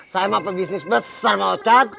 saya mah pebisnis besar mang ochan